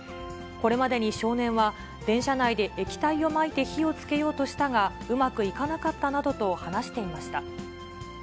これまでに少年は、電車内で液体をまいて火をつけようとしたが、うまくいかなかったなどと話していました。